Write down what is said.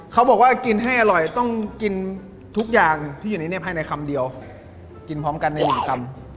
เขาบอกว่ากินให้อร่อยต้องกินทุกอย่างที่อยู่ในเน็บภายในคำเดียวกินพร้อมกันในหนึ่งคำ